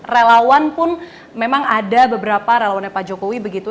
relawan pun memang ada beberapa relawannya pak jokowi begitu